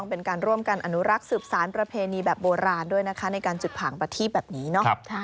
เป็นการร่วมกันอนุรักษ์สืบสารประเพณีแบบโบราณด้วยนะคะในการจุดผางประทีบแบบนี้เนาะ